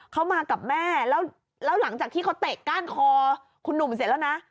เขามากับแม่แล้วหลังจากที่เขาเตะก้านคอคุณหนุ่มเสร็จแล้วนะ